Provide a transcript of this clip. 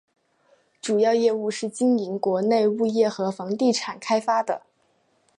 主要业务是经营国内物业和房地产开发的。